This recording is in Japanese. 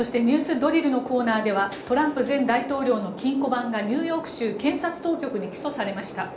ドリルのコーナーではトランプ前大統領の金庫番がニューヨーク州検察当局に起訴されました。